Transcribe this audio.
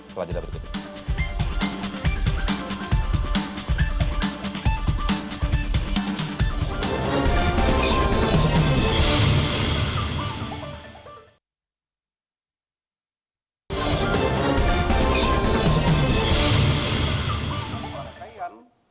setelah jeda berikutnya